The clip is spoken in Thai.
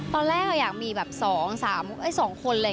ตอนแรกอยากมีแบบสองสามสองคน